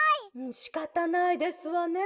「しかたないですわね。